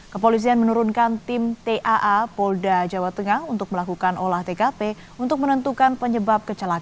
kepolisian menurunkan tim taa polda jawa tengah untuk melakukan olah tkp untuk menentukan penyebab kecelakaan